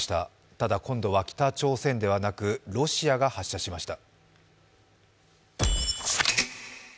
ただ、今度は北朝鮮ではなく、ロシアが発射しました。